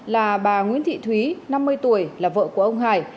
là bà nguyễn thị thúy năm mươi tuổi là vợ của ông hải